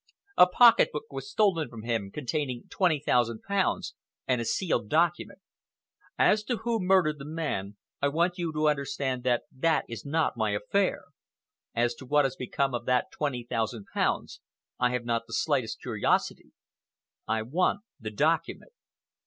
A pocketbook was stolen from him containing twenty thousand pounds and a sealed document. As to who murdered the man, I want you to understand that that is not my affair. As to what has become of that twenty thousand pounds, I have not the slightest curiosity. I want the document."